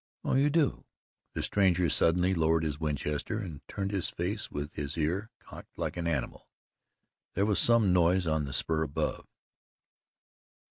"Oh, you do." The stranger suddenly lowered his Winchester and turned his face, with his ear cocked like an animal. There was some noise on the spur above.